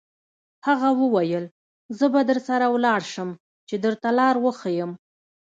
هغه وویل: زه به درسره ولاړ شم، چې درته لار وښیم.